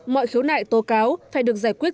mọi khiếu nại tố cáo phải được giải quyết